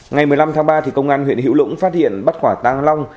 ngày một mươi năm tháng ba công an huyện hữu lũng phát hiện bắt quả tăng long